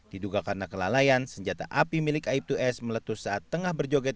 diduga karena kelalaian senjata api milik aib dua s meletus saat tengah berjoget